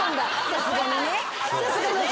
さすがにね。